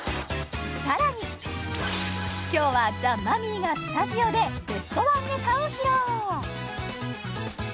更に今日はザ・マミィがスタジオでベストワンネタを披露！